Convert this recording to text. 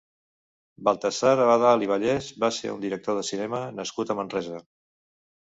Baltasar Abadal i Vallès va ser un director de cinema nascut a Manresa.